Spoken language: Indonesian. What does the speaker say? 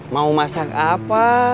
mau masak apa